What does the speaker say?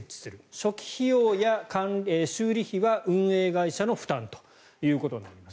初期費用や修理費は運営会社の負担となります。